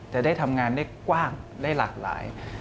ได้ทำงานได้กว้างได้หลากหลาย